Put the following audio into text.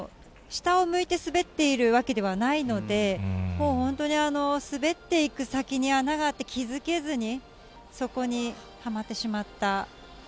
下を向いて滑っているわけではないので、もう本当に、滑っていく先に穴があって、気付けずに、そこにはまってしま